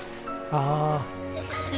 ああ。